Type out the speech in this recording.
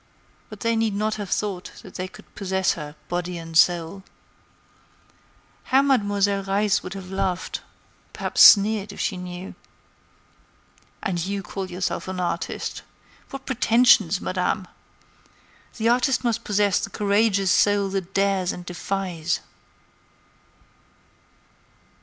But they need not have thought that they could possess her, body and soul. How Mademoiselle Reisz would have laughed, perhaps sneered, if she knew! "And you call yourself an artist! What pretensions, Madame! The artist must possess the courageous soul that dares and defies."